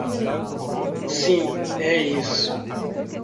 Sim é isso.